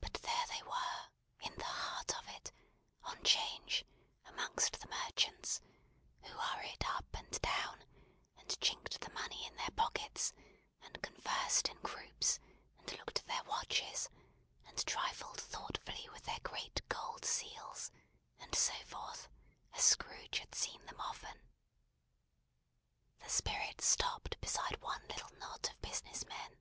But there they were, in the heart of it; on 'Change, amongst the merchants; who hurried up and down, and chinked the money in their pockets, and conversed in groups, and looked at their watches, and trifled thoughtfully with their great gold seals; and so forth, as Scrooge had seen them often. The Spirit stopped beside one little knot of business men.